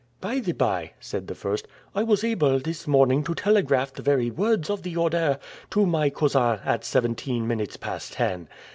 "By the bye," said the first, "I was able this morning to telegraph the very words of the order to my cousin at seventeen minutes past ten."